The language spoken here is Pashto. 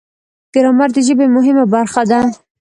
ګرامر د ژبې مهمه برخه ده.